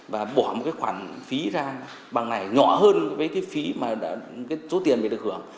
và bỏ một khoản phí ra bằng này nhỏ hơn với phí mà số tiền bị được hưởng